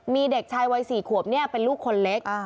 มีเด็กชายวัย๔ขวบเป็นลูกคนเล็ก